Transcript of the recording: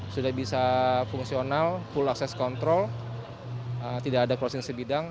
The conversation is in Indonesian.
sudah bisa fungsional full access control tidak ada proses sebidang